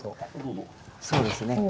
そうですね。